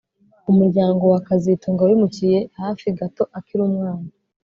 Umuryango wa kazitunga wimukiye hafi gato akiri umwana